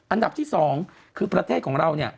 อันดับที่๒คือประเทศของเราเนี่ย